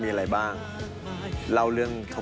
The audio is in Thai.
เมื่อวานเราเจอกันไปแล้ว